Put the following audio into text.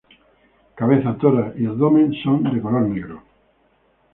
Cabeza, tórax y abdomen son de color negro.